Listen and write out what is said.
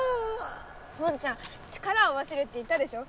ポンちゃん力を合わせるって言ったでしょ。